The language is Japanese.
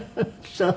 そう。